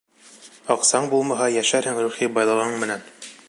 Аҡсаң булмаһа, йәшәрһең рухи байлығың менән!